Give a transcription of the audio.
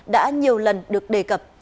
đã nhiều lần được đề cập